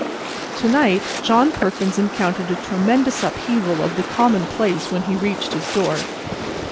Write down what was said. To night John Perkins encountered a tremendous upheaval of the commonplace when he reached his door.